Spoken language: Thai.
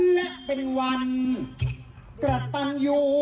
และเป็นวันกระตันอยู่